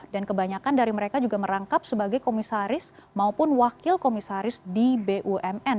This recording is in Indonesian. dan kebanyakan dari mereka juga merangkap sebagai komisaris maupun wakil komisaris di bumn